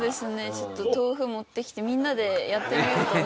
ちょっと豆腐持ってきてみんなでやってみようと思います。